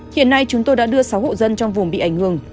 hiện nay chúng tôi đã đưa sáu hộ dân trong vùng bị ảnh hưởng